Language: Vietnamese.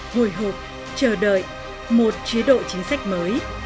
hồi hộp chờ đợi một chế độ chính sách mới